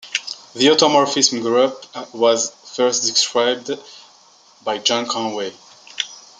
The automorphism group was first described by John Conway.